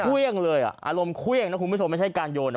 เครื่องเลยอ่ะอารมณ์เครื่องนะคุณผู้ชมไม่ใช่การโยนอ่ะ